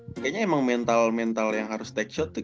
kayaknya emang mental mental yang harus take shot tuh